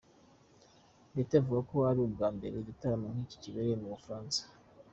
Betty avuga ko ari ubwa mbere igitaramo nk’iki kibereye mu Bufaransa.